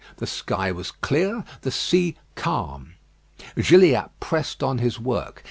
The sky was clear, the sea calm. Gilliatt pressed on his work.